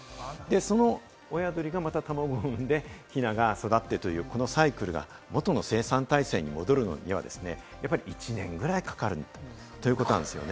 その親鳥がまた、たまごを産んで、ヒナが育ってというこのサイクルが元の生産体制に戻るのには１年ぐらいかかるということなんですよね。